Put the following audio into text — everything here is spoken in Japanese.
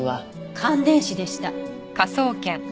感電死でした。